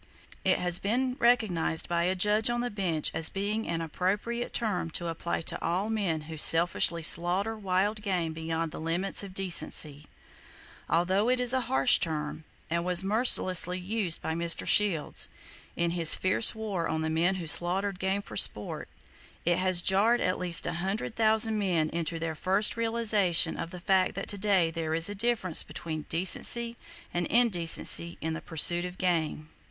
It has been recognized by a judge on the bench as being an appropriate term to apply to all men who selfishly slaughter wild game beyond the limits of decency. Although it is a harsh term, and was mercilessly used by Mr. Shields in his fierce war on the men who slaughtered game for "sport," it has jarred at least a hundred thousand men into their first realization of the fact that to day there is a difference between decency and indecency in the pursuit of game.